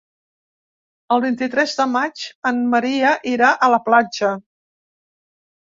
El vint-i-tres de maig en Maria irà a la platja.